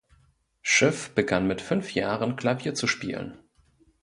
Schiff begann mit fünf Jahren Klavier zu spielen.